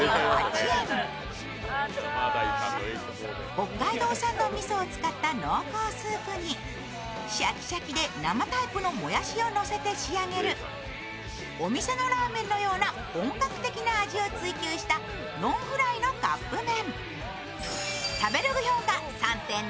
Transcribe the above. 北海道産のみそを使った濃厚スープにシャキシャキで生タイプのもやしをのせて仕上げる、お店のラーメンのような本格的な味を追求したノンフライのカップ麺。